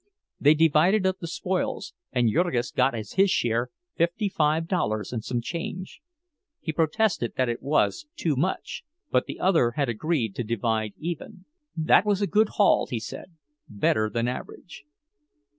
They divided up the spoils, and Jurgis got as his share fifty five dollars and some change. He protested that it was too much, but the other had agreed to divide even. That was a good haul, he said, better than average.